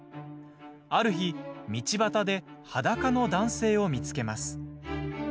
ある日、道端で裸の男性を見つけます。